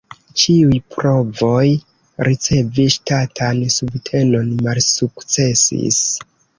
Ĉiuj provoj ricevi ŝtatan subtenon malsukcesis.